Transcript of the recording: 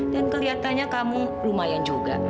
dan kelihatannya kamu lumayan juga